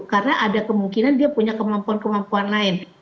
karena ada kemungkinan dia punya kemampuan kemampuan lain